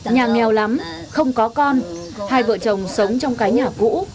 nhà nghèo lắm không có con hai vợ chồng sống trong cái nhà cũ